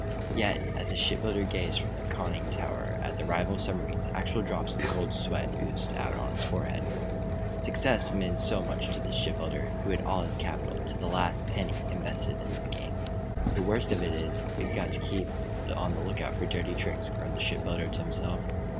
Yet, as the shipbuilder gazed from the conning tower at the rival submarines actual drops of cold sweat oozed out on his forehead. Success meant so much to this shipbuilder, who had all his capital, to the last penny, invested in this submarine game. "The worst of it is, we've got to keep on the lookout for dirty tricks!" groaned the shipbuilder, to himself.